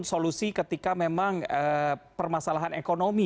solusi ketika memang permasalahan ekonomi